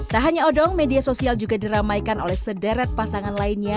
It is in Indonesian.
tak hanya odong media sosial juga diramaikan oleh sederet pasangan lainnya